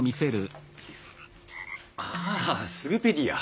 ああスグペディア。